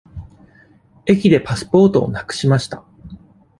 駅でパスポートをなくしました。